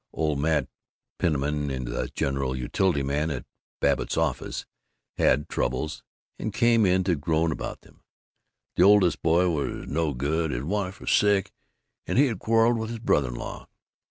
Old Mat Penniman, the general utility man at Babbitt's office, had Troubles, and came in to groan about them: his oldest boy was "no good," his wife was sick, and he had quarreled with his brother in law.